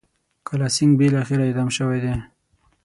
کالاسینګهـ بالاخره اعدام شوی دی.